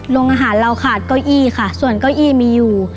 โรงอาหารเราขาดเก้าอี้ค่ะส่วนเก้าอี้มีอยู่